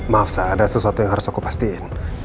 maaf ada sesuatu yang harus aku pastiin